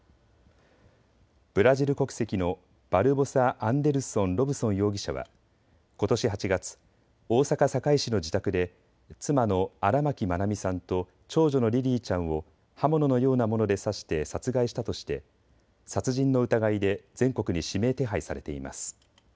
ブラジル国籍のバルボサ・アンデルソン・ロブソン容疑者はことし８月、大阪堺市の自宅で妻の荒牧愛美さんと長女のリリィちゃんを刃物のようなもので刺して殺害したとして殺人の疑いで全国に指名手配されています。